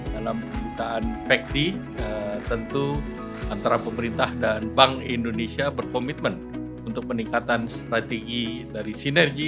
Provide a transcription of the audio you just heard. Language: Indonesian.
dalam pemberitaan pekti tentu antara pemerintah dan bank indonesia berkomitmen untuk peningkatan strategi dari sinergi